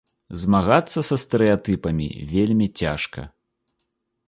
Змагацца са стэрэатыпамі вельмі цяжка.